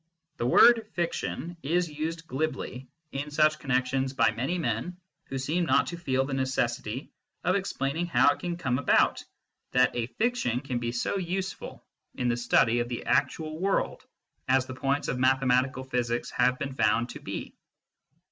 The word " fiction " is used glibly in such connexions by many men who seem not to feel the necessity of explaining how it can come about that a fiction can be so useful in the study of the actual world as the points of mathematical physics have been found to be.